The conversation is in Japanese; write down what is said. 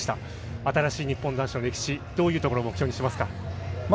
新しい日本男子の歴史、どういうところを目標にしますか？